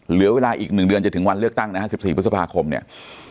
เหลือเวลาอีก๑เดือนจะถึงวันเลือกตั้งนะฮะ๑๔พฤษภาคมเนี่ย